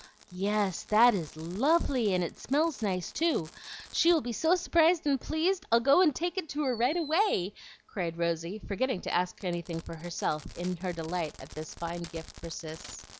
"Yes, that is lovely, and it smells nice, too. She will be so s'prised and pleased; I'll go and take it to her right away," cried Rosy, forgetting to ask anything for herself, in her delight at this fine gift for Cis.